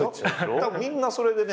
たぶんみんなそれでね